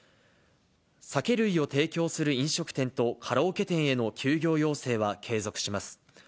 酒類を提供する飲食店とカラオケ店への休業要請は継続します。